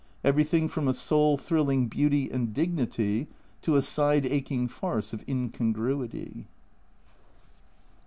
Everything from a soul thrilling beauty and dignity to a side aching farce of incongruity.